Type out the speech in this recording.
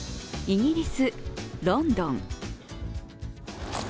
イギリス・ロンドン。